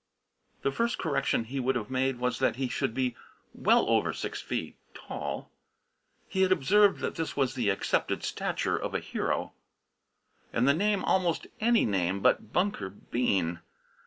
The first correction he would have made was that he should be "well over six feet" tall. He had observed that this was the accepted stature for a hero. And the name, almost any name but "Bunker Bean!"